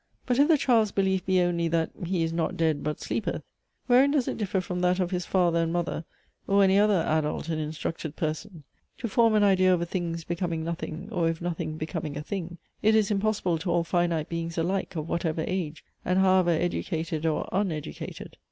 But if the child's belief be only, that "he is not dead, but sleepeth:" wherein does it differ from that of his father and mother, or any other adult and instructed person? To form an idea of a thing's becoming nothing; or of nothing becoming a thing; is impossible to all finite beings alike, of whatever age, and however educated or uneducated.